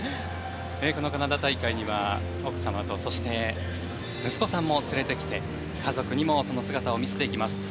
このカナダ大会には奥様と息子さんも連れてきて家族にもその姿を見せています。